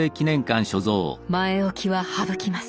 「前おきは省きます。